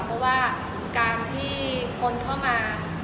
เพราะว่าการที่คนเข้ามา